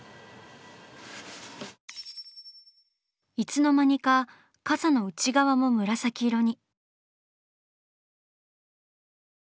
いつの間にか傘の内側も紫色に。